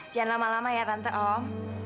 jangan lama lama ya tante om